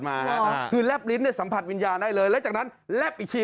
มาคือแลบลิ้นเนี่ยสัมผัสวิญญาณได้เลยแล้วจากนั้นแลบอิชิ